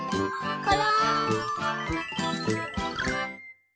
これ！